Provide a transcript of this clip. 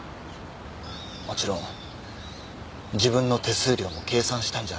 もちろん自分の手数料も計算したんじゃありませんか？